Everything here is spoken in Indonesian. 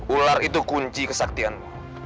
ular itu kunci kesaktianmu